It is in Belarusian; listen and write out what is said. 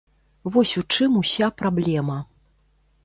Вось у чым уся праблема.